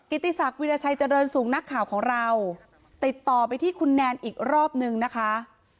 ติศักดิราชัยเจริญสุขนักข่าวของเราติดต่อไปที่คุณแนนอีกรอบนึงนะคะ